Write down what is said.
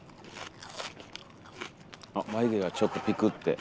あ眉毛がちょっとピクって。